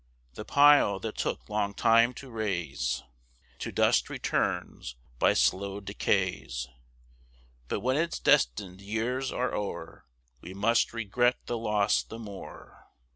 The pile, that took long time to raise, To dust returns by slow decays; But, when its destined years are o'er, We must regret the loss the more.